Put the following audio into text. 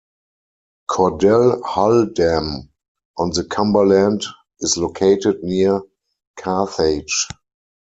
Cordell Hull Dam on the Cumberland is located near Carthage.